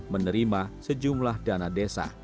menerima sejumlah dana desa